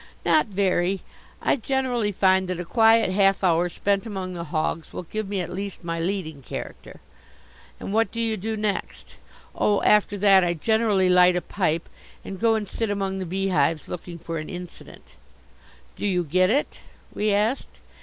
"Not very. I generally find that a quiet half hour spent among the hogs will give me at least my leading character." "And what do you do next?" "Oh, after that I generally light a pipe and go and sit among the beehives looking for an incident." "Do you get it?" we asked.